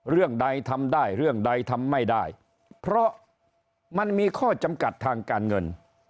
เรื่องใดทำได้เรื่องใดทำไม่ได้เพราะมันมีข้อจำกัดทางการเงิน